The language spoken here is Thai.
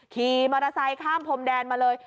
ขี่มอเตอร์ไซค์ข้ามพรมแดนมาเลย